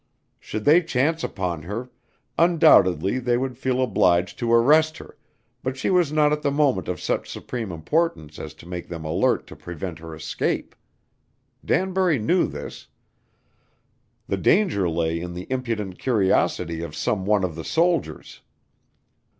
Should they chance upon her, undoubtedly they would feel obliged to arrest her, but she was not at the moment of such supreme importance as to make them alert to prevent her escape. Danbury knew this. The danger lay in the impudent curiosity of some one of the soldiers.